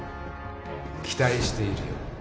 期待しているよ